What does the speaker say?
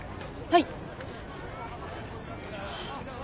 はい。